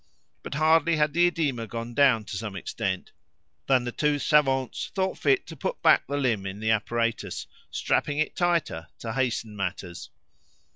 But, hardly had the oedema gone down to some extent, than the two savants thought fit to put back the limb in the apparatus, strapping it tighter to hasten matters.